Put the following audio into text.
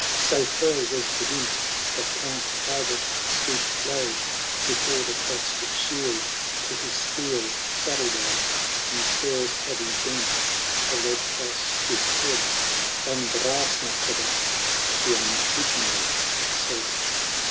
So fell was the dint, that Count Albert stooped low Before the crossed shield, to his steel saddle bow ; .And scarce had he bent to the Red cross his head, —■" Bonne grace, notre Dame" he unwittingly said.